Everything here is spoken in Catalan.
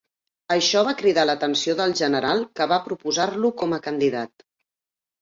Això va cridar l'atenció del general que va proposar-lo com a candidat.